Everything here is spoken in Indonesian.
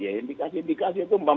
ya indikasi indikasi itu